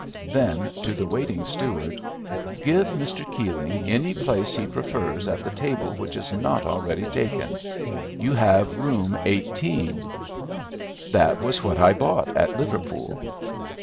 Then, to the waiting steward, "Give Mr. Keeling any place he prefers at the table which is not already taken. You have Room 18." "That was what I bought at Liverpool."